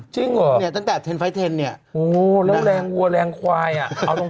เอ่จริงมันไม่ใช่แรงคนหรอก